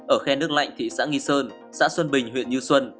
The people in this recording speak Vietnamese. ở khe nước lạnh thị xã nghi sơn xã xuân bình huyện như xuân